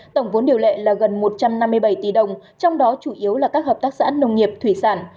tổng vốn điều lệ là gần một trăm năm mươi bảy tỷ đồng trong đó chủ yếu là các hợp tác xã nông nghiệp thủy sản